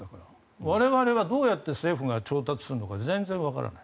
我々は政府がどうやって調達するのか全然わからない。